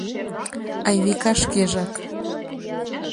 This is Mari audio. Айвика шкежак.